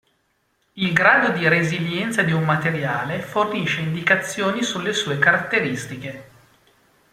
Il grado di resilienza di un materiale fornisce indicazioni sulle sue caratteristiche.